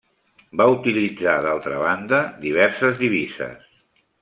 Va utilitzar d'altra banda diverses divises.